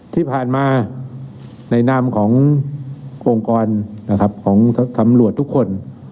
ที่ผ่านมาในนามขององค์กรนะครับของตำรวจทุกคน